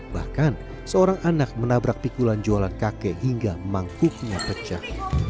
bahkan seorang anak menabrak pikulan jualan kakek hingga mangkuknya pecah